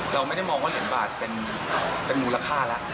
เราไม่ได้มองว่าเหรียญบาทเป็นมูลค่าแล้ว